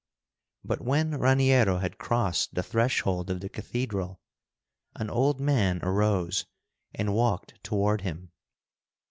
But when Raniero had crossed the threshold of the cathedral, an old man arose and walked toward him.